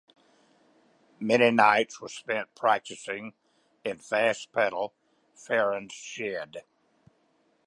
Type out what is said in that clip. Many nights were spent practicing in "Fast Pedal" Farran's shed.